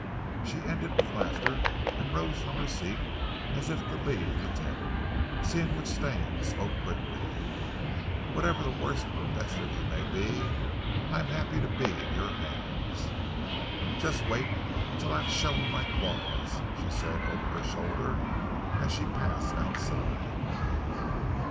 She ended with laughter, and rose from her seat as if to leave the tent; seeing which Stane spoke quickly. "Whatever the worst or best of you may be, I am happy to be in your hands!" "Just wait until I have shown my claws," she said over her shoulder, as she passed outside.